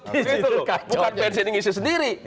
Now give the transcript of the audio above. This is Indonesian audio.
di situ bukan pensiun yang ngisi sendiri